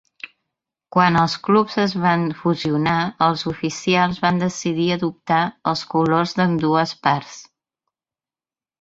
Quan els clubs es van fusionar, els oficials van decidir adoptar els colors d'ambdues parts.